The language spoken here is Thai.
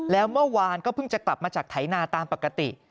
แล้วเมื่อวานก็เพิ่งจะกลับมาจากไถนาตามปกติ